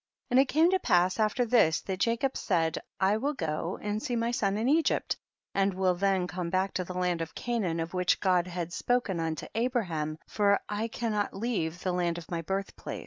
And it came to pass after this that Jacob said, I will go and see my son in Egypt and will then come back to the land of Canaan of which God had spoken unto Abraham, for I cannot leave the land of my birth place.